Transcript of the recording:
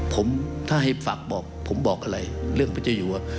ผมถ้าให้ฝากบอกผมบอกอะไรเรื่องปัจจุยัว